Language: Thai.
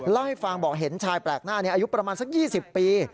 เล่าให้ฟังบอกเห็นชายแปลกหน้านี้อายุประมาณสัก๒๐ปี